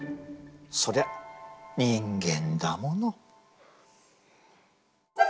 そりゃ人間だもの。